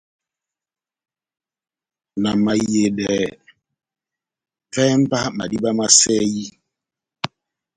Na mahiyedɛ, vɛ́hɛ mba madíma má sɛyi !